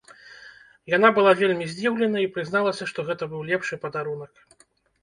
Яна была вельмі здзіўлена і прызналася, што гэта быў лепшы падарунак.